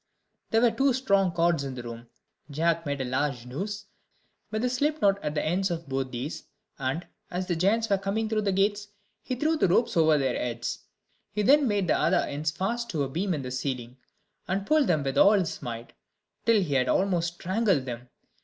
There were two strong cords in the room. Jack made a large noose, with a slip knot at the ends of both these, and, as the giants were coming through the gates, he threw the ropes over their heads. He then made the other ends fast to a beam in the ceiling, and pulled with all his might, till he had almost strangled them.